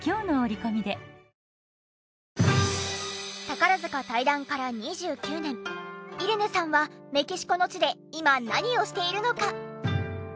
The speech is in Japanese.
宝塚退団から２９年イレネさんはメキシコの地で今何をしているのか？